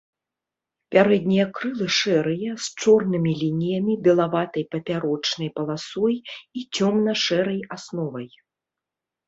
Пярэднія крылы шэрыя, з чорнымі лініямі, белаватай папярочнай паласой і цёмна-шэрай асновай.